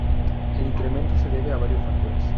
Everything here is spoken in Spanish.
El incremento se debe a varios factores.